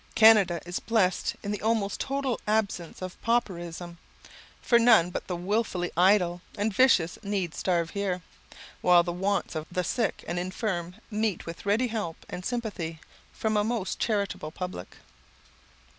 Canada is blessed in the almost total absence of pauperism; for none but the wilfully idle and vicious need starve here, while the wants of the sick and infirm meet with ready help and sympathy from a most charitable public.